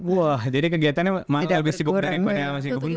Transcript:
wah jadi kegiatannya mana lebih sibuk rane